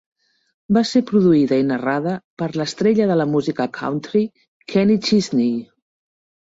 Va ser produïda i narrada per l'estrella de la música country Kenny Chesney.